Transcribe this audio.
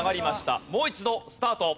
もう一度スタート。